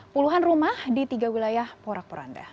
puluhan rumah di tiga wilayah porak poranda